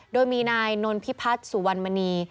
โดยมีนายนนพิพัฒน์สุวรรณมณี